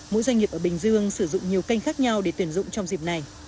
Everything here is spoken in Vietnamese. mỗi doanh nghiệp ở bình dương sử dụng nhiều kênh khác nhau để tuyển dụng trong dịp này